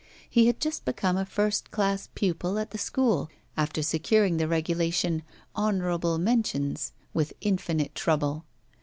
He had just become a first class pupil at the School, after securing the regulation 'honourable mentions,' with infinite trouble.